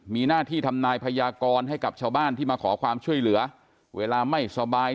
มีหน้าที่ทำนายพยากรให้กับชาวบ้านที่มาขอความช่วยเหลือเวลาไม่สบาย